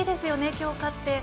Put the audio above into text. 今日、勝って。